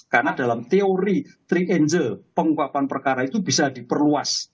karena dalam teori tiga angel penguapan perkara itu bisa diperluas